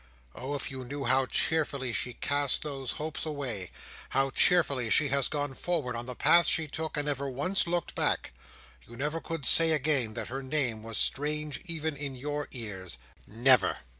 "Oh if you knew how cheerfully she cast those hopes away; how cheerfully she has gone forward on the path she took, and never once looked back; you never could say again that her name was strange in your ears. Never!"